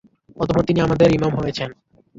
অতঃপর তিনি আমাদের ইমাম হয়েছেন।